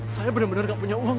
saya bener bener gak punya uang